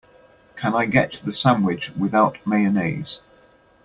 Can I get the sandwich without mayonnaise?